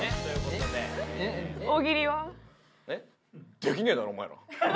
できねえだろお前ら！